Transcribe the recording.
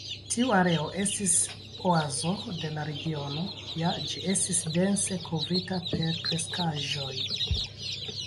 Tiu areo estis oazo de la regiono, ja ĝi estis dense kovrita per kreskaĵoj.